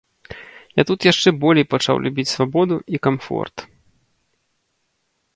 Я тут яшчэ болей пачаў любіць свабоду і камфорт.